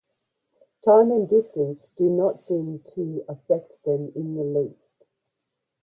Time and distance do not seem to affect them in the least.